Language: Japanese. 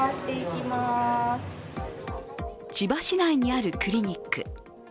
千葉市内にあるクリニック。